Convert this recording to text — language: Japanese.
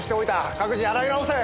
各自洗い直せ！